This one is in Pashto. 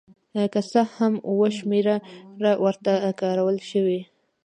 که څه هم اوه شمېره ورته کارول شوې.